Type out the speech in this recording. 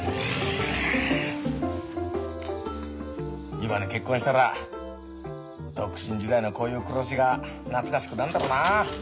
今に結婚したら独身時代のこういう暮らしが懐かしくなんだろうな。